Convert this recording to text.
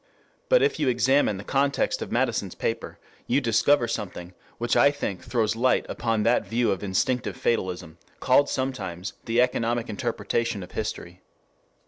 But if you examine the context of Madison's paper, you discover something which I think throws light upon that view of instinctive fatalism, called sometimes the economic interpretation of history.